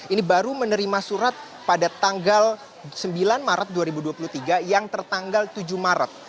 ini baru menerima surat pada tanggal sembilan maret dua ribu dua puluh tiga yang tertanggal tujuh maret